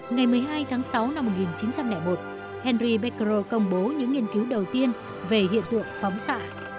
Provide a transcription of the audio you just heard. ngày một mươi hai tháng sáu năm một nghìn chín trăm linh một henry pecro công bố những nghiên cứu đầu tiên về hiện tượng phóng xạ